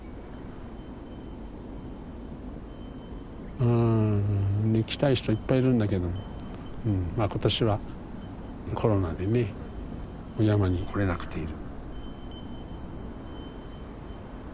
うん来たい人はいっぱいいるんだけども今年はコロナでねお山に来れなくている。